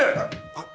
あっ！